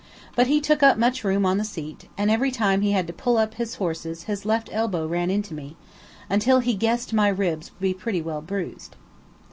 But he took up much room on the seat, and every time he had to pull up his horses his left elbow ran into me, until "he guessed my ribs would be pretty well bruised."